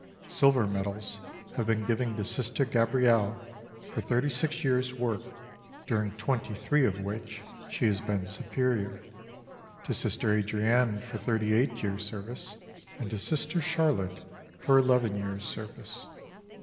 Silver medals have been given to Sister Gabrielle for thirty six years' work, during twenty three of which she has been Superior; to Sister Adrienne for thirty eight years' service, and to Sister Charlotte for eleven years' service.